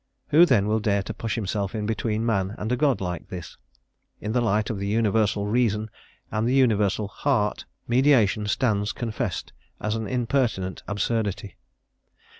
Who then will dare to push himself in between man and a God like this? In the light of the Universal Reason and the Universal Heart mediation stands confessed as an impertinent absurdity.